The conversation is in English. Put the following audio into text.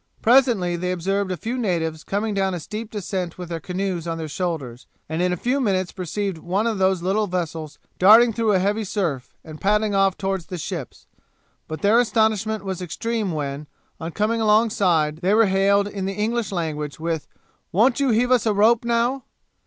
Presently they observed a few natives coming down a steep descent with their canoes on their shoulders; and in a few minutes perceived one of those little vessels darting through a heavy surf, and paddling off towards the ships; but their astonishment was extreme when, on coming alongside, they were hailed in the English language with 'Won't you heave us a rope now?'